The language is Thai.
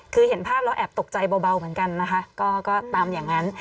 คือเห็นภาพแล้วแอบตกใจเบาเหมือนกันนะคะก็ตามอย่างนั้น